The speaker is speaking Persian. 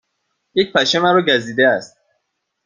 یک پشه مرا گزیده است.